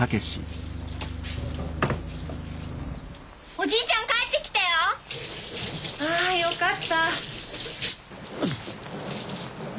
・おじいちゃん帰ってきたよ！ああよかった。